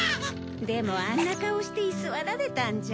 でもあんな顔して居座られたんじゃ。